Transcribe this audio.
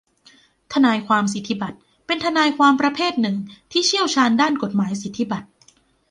ทนายความสิทธิบัตรเป็นทนายความประเภทหนึ่งที่เชี่ยวชาญด้านกฎหมายสิทธิบัตร